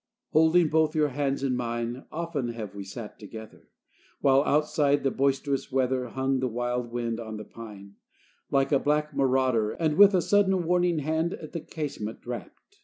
XV Holding both your hands in mine, Often have we sat together, While, outside, the boisterous weather Hung the wild wind on the pine Like a black marauder, and With a sudden warning hand At the casement rapped.